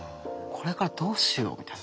これからどうしようみたいな。